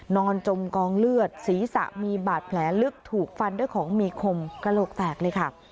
จมกองเลือดศีรษะมีบาดแผลลึกถูกฟันด้วยของมีคมกระโหลกแตกเลยค่ะ